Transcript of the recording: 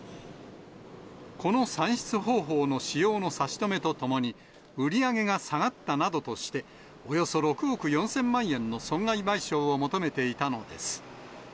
この算出方法の使用の差し止めとともに、売り上げが下がったなどとして、およそ６億４０００万円の損害賠償を求めていたのです。